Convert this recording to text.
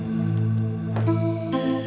sampai jumpa lagi mams